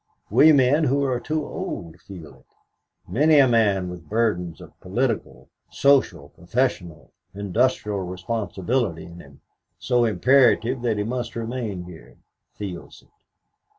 We men who are too old feel it. Many a man with burdens of political, social, professional, industrial responsibility in him so imperative that he must remain here, feels it.